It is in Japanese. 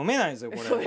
これ。